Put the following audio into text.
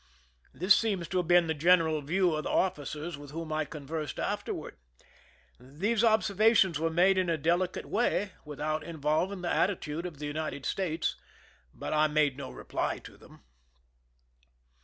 This seems to have been the general view of the officers with whom I conversed after ward. These observations were made in a delicate way, without involving the attitude of the United States ; but I made no reply to them.